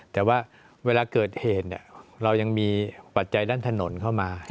แต่ว่าเวลาเกิดเหตุเรายังมีปัจจัยด้านถนนเข้ามา